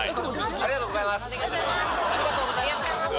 ありがとうございます。